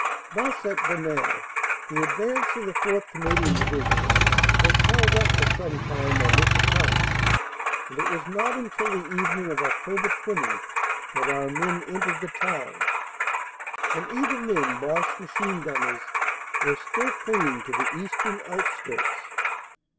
Thus, at Denain, the advance of the 4th. Canadian Division was held up for some time on this account, and it was not until the evening of Oct. 20 that our men entered the town, and even then Boche machine gunners were still clinging to the eastern outskirts.